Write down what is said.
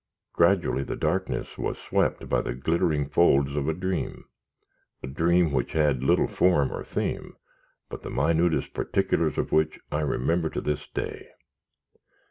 Gradually the darkness was swept by the glittering folds of a dream a dream which had little form or theme, but the minutest particulars of which I remember to this day.